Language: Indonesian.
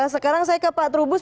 sekarang saya ke pak trubus